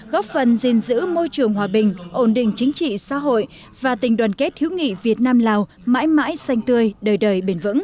góp phần gìn giữ môi trường hòa bình ổn định chính trị xã hội